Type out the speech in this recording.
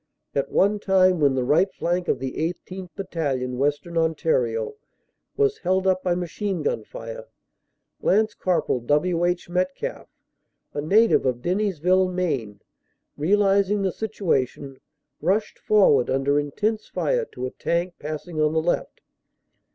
At one time when the right flank of the 18th. Battalion, Western Ontario, was held up by machine gun fire, Lance Cpl. W. H. Metcalf, a native of Dennysville, Maine, realising the situation, rushed forward under intense fire to a tank passing on the left.